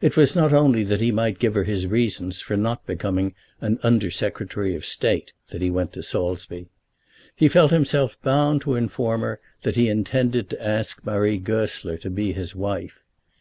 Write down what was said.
It was not only that he might give her his reasons for not becoming an Under Secretary of State that he went to Saulsby. He felt himself bound to inform her that he intended to ask Marie Goesler to be his wife.